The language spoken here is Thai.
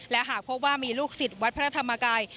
และหากพบว่ามีลูกศิษย์วัดพระธรรมกาย